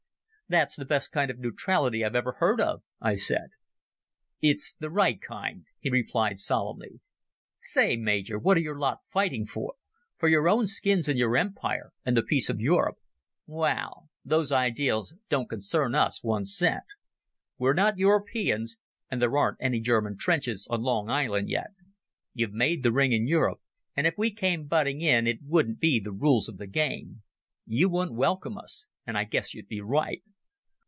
"That's the best kind of neutrality I've ever heard of," I said. "It's the right kind," he replied solemnly. "Say, Major, what are your lot fighting for? For your own skins and your Empire and the peace of Europe. Waal, those ideals don't concern us one cent. We're not Europeans, and there aren't any German trenches on Long Island yet. You've made the ring in Europe, and if we came butting in it wouldn't be the rules of the game. You wouldn't welcome us, and I guess you'd be right.